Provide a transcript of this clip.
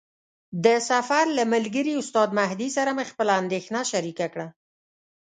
د سفر له ملګري استاد مهدي سره مې خپله اندېښنه شریکه کړه.